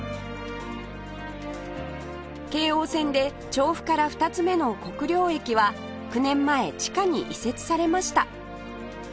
京王線で調布から２つ目の国領駅は９年前地下に移設されました